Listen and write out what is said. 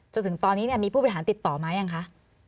จนถึงตอนนี้มีผู้บริหารติดต่อไหมยังคะ